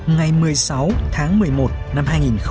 ngày một mươi sáu tháng một mươi một năm hai nghìn một mươi chín